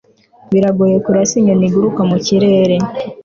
biragoye kurasa inyoni iguruka mu kirere